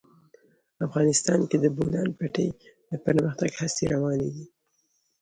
افغانستان کې د د بولان پټي د پرمختګ هڅې روانې دي.